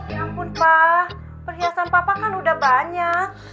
ya ampun pak perhiasan papa kan udah banyak